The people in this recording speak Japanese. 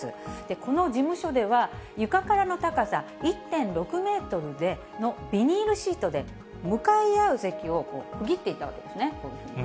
この事務所では、床からの高さ１．６メートルでのビニールシートで、向かい合う席を区切っていたわけですね、こういうふうにね。